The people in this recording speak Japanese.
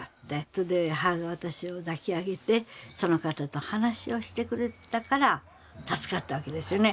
それで母が私を抱き上げてその方と話をしてくれてたから助かったわけですよね。